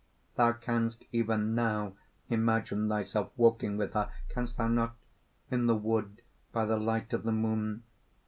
"Thou canst even now imagine thyself walking with her canst thou not? in the wood by the light of the moon?